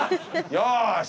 よし！